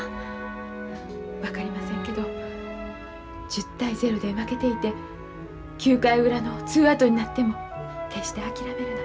１０対０で負けていて９回裏のツーアウトになっても決して諦めるな。